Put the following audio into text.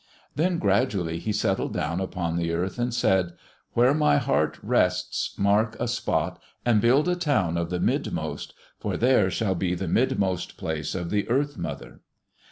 Then gradually he settled down upon the earth and said, "Where my heart rests, mark a spot, and build a town of the Mid most, for there shall be the Mid most Place of the Earth mother."